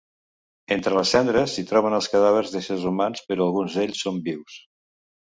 Entre les cendres hi troben els cadàvers d'éssers humans, però alguns d'ells són vius.